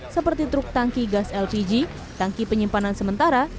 seperti truk tangki gas lpg tangki penyimpanan sementara